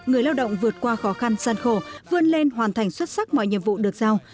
người lao động vượt qua khó khăn gian khổ vươn lên hoàn thành xuất sắc mọi nhiệm vụ được giao